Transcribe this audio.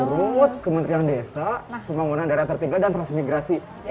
rut kementerian desa pembangunan daerah tertinggal dan transmigrasi